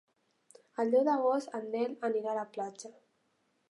El deu d'agost en Nel anirà a la platja.